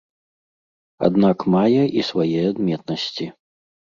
Аднак мае і свае адметнасці.